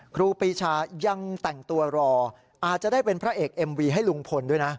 ครูปีชายังแต่งตัวรออาจจะได้เป็นพระเอกเอ็มวีให้ลุงพลด้วยนะ